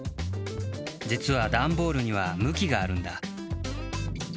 じつはダンボールにはむきがあるんだ。